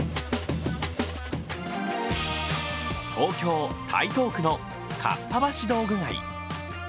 東京・台東区のかっぱ橋道具街。